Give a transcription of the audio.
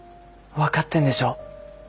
分かってんでしょ。